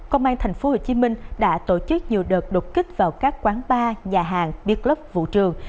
công an tp hcm đã tổ chức nhiều đợt đột kích vào các quán bar nhà hàng beer club vụ trường